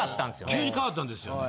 急に変わったんですよね。